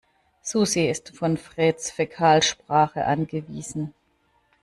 Susi ist von Freds Fäkalsprache angewiesen.